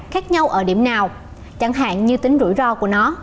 khác nhau ở điểm nào chẳng hạn như tính rủi ro của nó